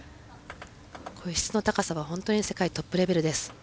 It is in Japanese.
こういう質の高さは本当に世界トップレベルです。